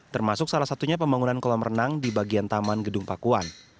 termasuk salah satunya pembangunan kolam renang di bagian taman gedung pakuan